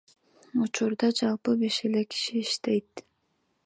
Учурда жалпы беш эле киши иштейт.